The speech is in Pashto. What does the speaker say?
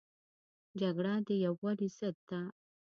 جګړه د یووالي ضد ده